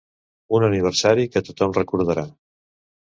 Un aniversari que tothom recordarà.